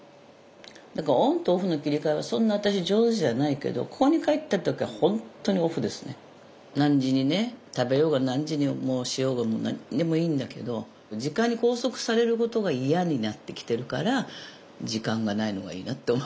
だからオンとオフの切り替えはそんな私上手じゃないけど何時にね食べようが何時にもうしようがもう何でもいいんだけど時間に拘束されることが嫌になってきてるから時間が無いのがいいなって思うね。